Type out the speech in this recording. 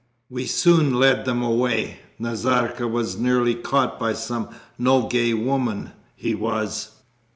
'We soon led them away! Nazarka was nearly caught by some Nogay women, he was!'